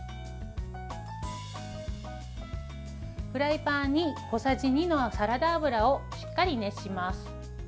フライパンに小さじ２のサラダ油をしっかり熱します。